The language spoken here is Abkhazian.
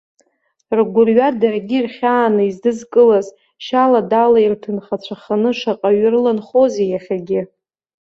Ргәырҩа даргьы ирхьааны издызкылаз, шьала-дала ирҭынхацәаханы шаҟаҩы рыланхозеи иахьагьы.